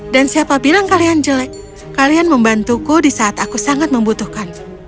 dan siapa bilang kalian jelek kalian membantuku di saat aku sangat membutuhkan